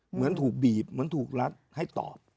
เหมือนถูกบีบเหมือนถูกรัดให้ตอบ